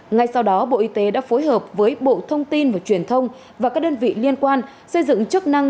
ngay sau đó bộ y tế đã phối hợp với bộ thông tin và truyền thông và các đơn vị liên quan xây dựng chức năng